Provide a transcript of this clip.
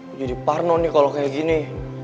oh jadi parno nih kalau kayak gini